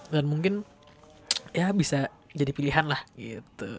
dan mungkin ya bisa jadi pilihan lah gitu